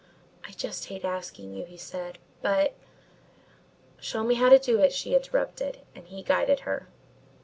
"I just hate asking you," he said, "but " "Show me how to do it," she interrupted and he guided her.